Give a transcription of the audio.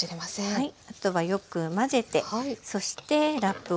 はい。